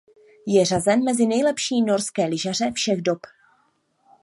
Je řazen mezi nejlepší norské lyžaře všech dob.